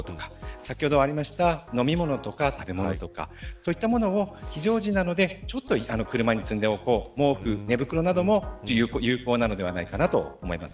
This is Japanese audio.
先ほどありました飲み物とか食べ物とかそういったものを非常時なのでちょっと車に積んでおこう毛布、寝袋なども有効だと思います。